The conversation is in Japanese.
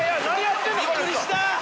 びっくりした。